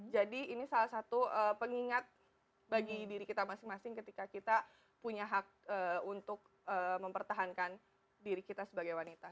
jadi ini salah satu pengingat bagi diri kita masing masing ketika kita punya hak untuk mempertahankan diri kita sebagai wanita